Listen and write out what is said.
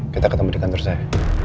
kita ketemu di kantor saya